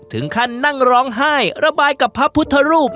ถึงขั้นนั่งร้องไห้ระบายกับพระพุทธรูป